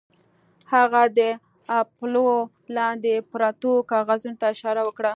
هغه د اپولو لاندې پرتو کاغذونو ته اشاره وکړه